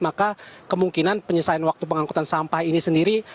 maka kemungkinan penyelesaian waktu pengangkutan sampah ini sendiri